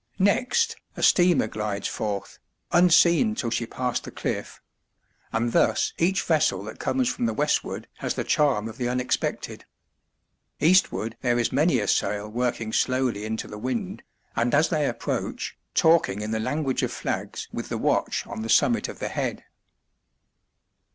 Next, a steamer glides forth, unseen till she passed the cliff; and thus each vessel that comes from the westward has the charm of the unexpected. Eastward there is many a sail working slowly into the wind, and as they approach, talking in the language of flags with the watch on the summit of the Head.